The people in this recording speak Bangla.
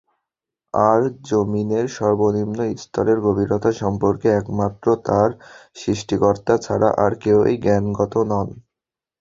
আর যমীনের সর্বনিম্ন স্তরের গভীরতা সম্পর্কে একমাত্র তার সৃষ্টিকর্তা ছাড়া আর কেউই জ্ঞাত নন।